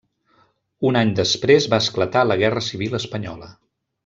Un any després va esclatar la guerra civil espanyola.